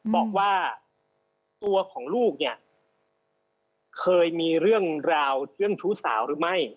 บอกว่าตัวของลูกเนี่ยเคยมีเรื่องราวเรื่องชู้สาวหรือไม่